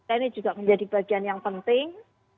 ini juga menjadi bagian yang penting